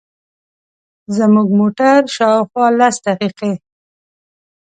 زموږ موټر شاوخوا لس دقیقې.